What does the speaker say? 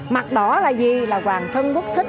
mặt đỏ là gì là hoàng thân bức thích